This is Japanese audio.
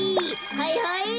はいはい。